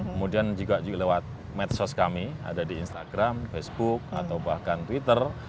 kemudian juga lewat medsos kami ada di instagram facebook atau bahkan twitter